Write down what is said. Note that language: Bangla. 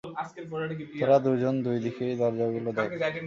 তোরা দুজন, ওই দিকের দরজা গুলো দেখ।